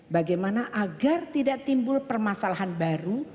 bagaimana agar tidak timbul permasalahan baru